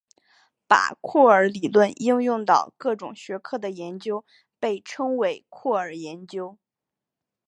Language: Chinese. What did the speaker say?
把酷儿理论应用到各种学科的研究被称为酷儿研究。